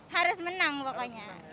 harus menang pokoknya